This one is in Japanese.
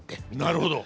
なるほど。